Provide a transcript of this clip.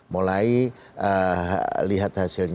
mulai lihat hasilnya